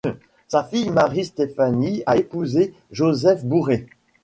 Sa fille Marie-Stéphanie a épousé Joseph Bourret.